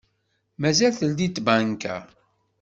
Mazal teldi tbanka?